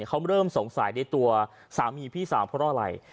เขาเริ่มสงสัยในตัวสามีพี่สาวเพราะอะไร